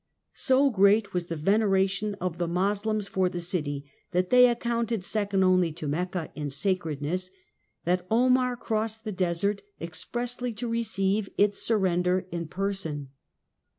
So great was the veneration of the Moslems for the city that they accounted second only to Mecca in sacredness, that Omar crossed the desert expressly to receive its surrender in person.